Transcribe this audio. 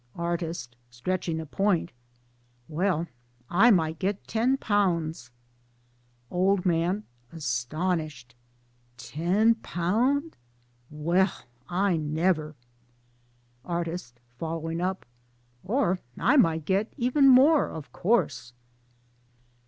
" Artist (stretching a point) :" Well I might get ten pounds." Old Man (astonished) :" Ten pun 1 well I never I" Artist (following up) :" Or I might get more of course."